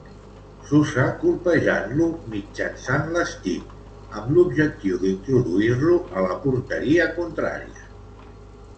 S'usa colpejant-lo mitjançant l'estic, amb l'objectiu d'introduir-lo a la porteria contrària.